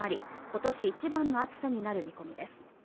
今年一番の暑さになる見込みです。